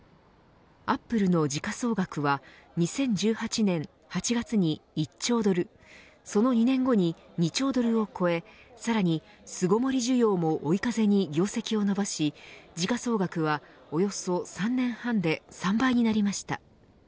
アップルの時価総額は２０１８年８月に１兆ドルその２年後に２兆ドルを超えさらに巣ごもり需要も追い風に業績を伸ばし時価総額はおよそ３年半で３倍になりました。